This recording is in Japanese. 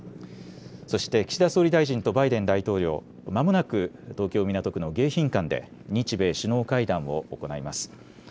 そして岸田総理大臣とバイデン大統領、まもなく東京港区の迎賓館で日米首脳会談を行います。